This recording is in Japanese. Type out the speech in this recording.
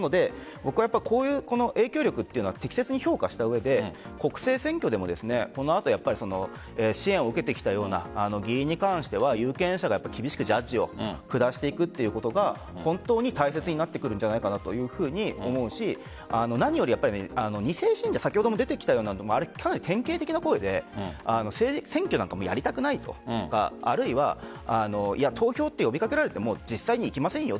僕は、この影響力を適切に評価した上で国勢選挙でも、この後支援を受けてきたような議員に関しては有権者が厳しくジャッジを下していくということが本当に大切になってくるんじゃないかと思うし何より２世信者かなり典型的な声で選挙なんかもやりたくないとかあるいは投票と呼び掛けられても実際に行きませんよ